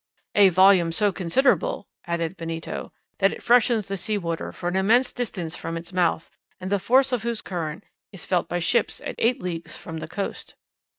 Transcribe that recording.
"A volume so considerable," added Benito, "that it freshens the sea water for an immense distance from its mouth, and the force of whose current is felt by ships at eight leagues from the coast."